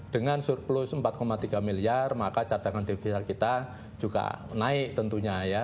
dengan surplus empat tiga miliar maka cadangan devisa kita juga naik tentunya ya